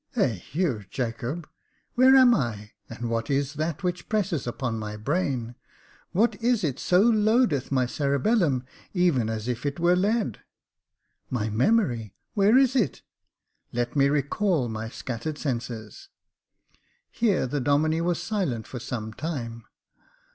Eheu, Jacohel — where am I ? And what is that which presses upon my brain ? What is it so loadeth my cerebellum, even as if it were lead ? My memory — where is it ? Let me recall my scattered senses." Here the Domine was silent for some time.